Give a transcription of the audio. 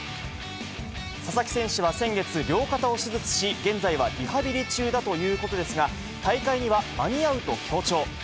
佐々木選手は先月、両肩を手術し、現在はリハビリ中だということですが、大会には間に合うと強調。